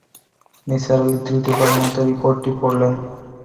নিসার আলি তৃতীয় বারের মতো রিপোর্টটি পড়লেন।